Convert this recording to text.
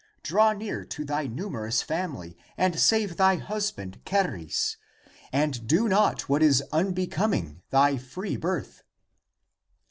Draw near to thy numerous family, and save thy husband Charis, and do not what is unbecoming thy free birth!"